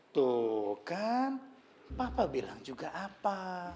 tuh kan papa bilang juga apa